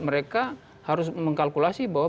mereka harus mengkalkulasi bahwa